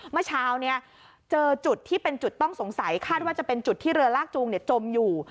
เมื่อเช้าเจอจุดที่เป็นจุดต้องสงสัยคาดว่าจะเป็นจุดที่เรือลากจูงจมอยู่